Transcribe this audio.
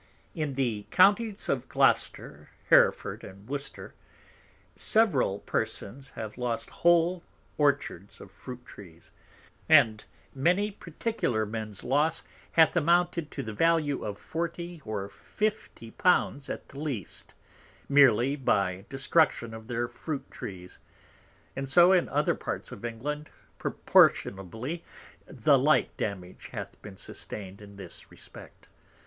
In the Counties of Gloucester, Hereford, and Worcester, several Persons have lost whole Orchards of Fruit Trees; and many particular Mens Loss hath amounted to the Value of forty or fifty Pounds at the least, meerly by Destruction of their Fruit Trees: and so in other Parts of England proportionably the like Damage hath been sustained in this Respect.